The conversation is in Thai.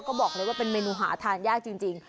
ก็บอกเลยว่าเป็นเมนูหาทานยากจริง